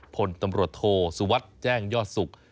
ผลตำรวชโถสุวัตย์แจ้งยอดศุกร์